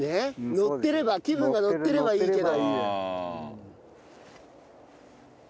ノッてれば気分がノッてればいいけど。